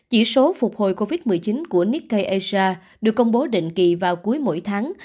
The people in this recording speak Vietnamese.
chỉ số phục hồi covid một mươi chín của nikkei asia được công bố định kỳ vào cuối mỗi tháng